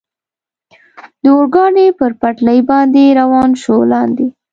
د اورګاډي پر پټلۍ باندې روان شو، لاندې.